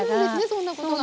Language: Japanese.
そんなことが。